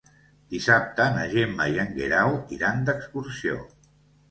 Dissabte na Gemma i en Guerau iran d'excursió.